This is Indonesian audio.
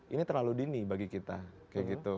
ini terlalu dini bagi kita kayak gitu